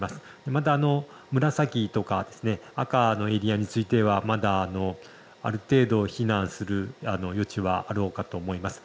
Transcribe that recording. また紫とか赤のエリアについてはまだ、ある程度避難する余地はあろうかと思います。